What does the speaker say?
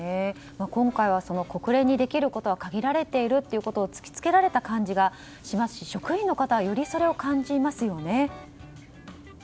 今回は国連にできることは限られているということを突き付けられた感じがしますし職員の方はよりそれを感じますよね。